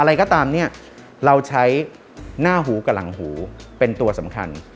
อะไรก็ตามเนี่ยเราใช้หน้าหูกับหลังหูเป็นตัวสำคัญ